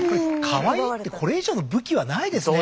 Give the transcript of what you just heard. カワイイってこれ以上の武器はないですね。